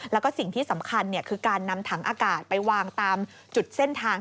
แล้วก็สิ่งที่สำคัญคือการนำถังอากาศไปวางตามจุดเส้นทาง